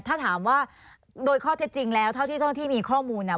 ถ้าถามว่าโดยข้อเท็จจริงแล้วเท่าที่เจ้าหน้าที่มีข้อมูลเนี่ย